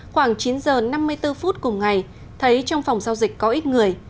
khoảng chín giờ năm mươi bốn phút cùng ngày thấy trong phòng giao dịch có ít người